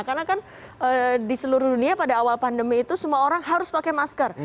karena kan di seluruh dunia pada awal pandemi itu semua orang harus pakai masker